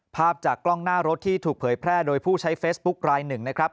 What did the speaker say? ภาพจากกล้องหน้ารถที่ถูกเผยแพร่โดยผู้ใช้เฟซบุ๊คลายหนึ่งนะครับ